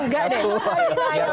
gak di naio